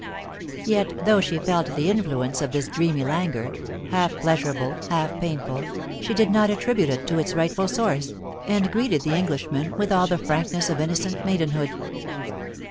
Yet though she felt the influence of this dreamy languor, half pleasurable, half painful, she did not attribute it to its rightful source, and greeted the English man with all the frankness of innocent maidenhood.